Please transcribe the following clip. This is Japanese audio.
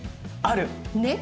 ねっ？